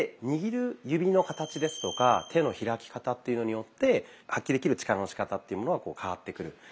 握る指の形ですとか手の開き方っていうのによって発揮できる力のしかたっていうものは変わってくる。